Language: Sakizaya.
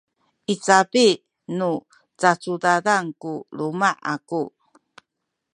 i capi nu cacudadan ku luma’ aku